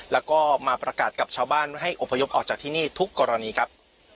แล้วก็มาประกาศกับชาวบ้านให้อบพยพออกจากที่นี่ทุกกรณีครับ